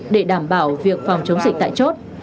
để đảm bảo việc phòng chống dịch tại chốt